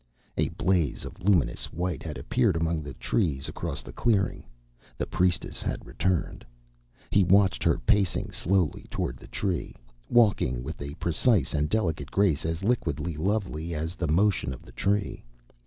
A blaze of luminous white had appeared among the trees across the clearing. The priestess had returned. He watched her pacing slowly toward the Tree, walking with a precise and delicate grace as liquidly lovely as the motion of the Tree.